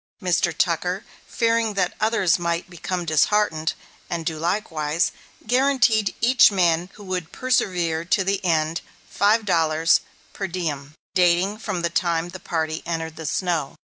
Mr. Tucker, fearing that others might become disheartened and do likewise, guaranteed each man who would persevere to the end, five dollars per diem, dating from the time the party entered the snow.